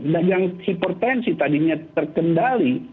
dan yang hipertensi tadinya terkendali